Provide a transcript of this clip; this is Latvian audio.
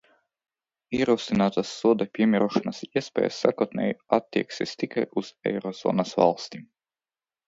Ierosinātās soda piemērošanas iespējas sākotnēji attieksies tikai uz euro zonas valstīm.